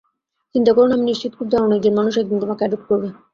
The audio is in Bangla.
চিন্তা করো না, আমি নিশ্চিত খুব দারুণ একজন মানুষ একদিন তোমাকে এডপ্ট করবে।